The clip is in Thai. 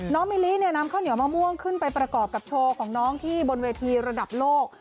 มิลินำข้าวเหนียวมะม่วงขึ้นไปประกอบกับโชว์ของน้องที่บนเวทีระดับโลก